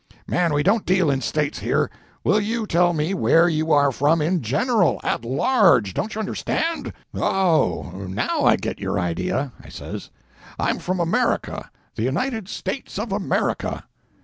"Man, we don't deal in States here. Will you tell me where you are from in general—at large, don't you understand?" "Oh, now I get your idea," I says. "I'm from America,—the United States of America."